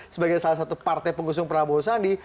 sebagai salah satu partai pengusung prabowo sandi